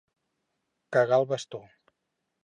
Cagar el basto.